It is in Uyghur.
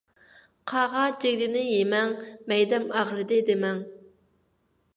قاغا جىگدىنى يىمەڭ، مەيدەم ئاغرىدى دىمەڭ.